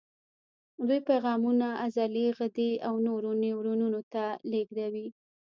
دوی پیغامونه عضلې، غدې او نورو نیورونونو ته لېږدوي.